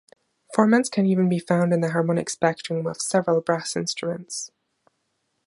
Formants can even be found in the harmonic spectrum of several brass instruments.